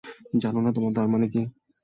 জান না, তার মানে কী?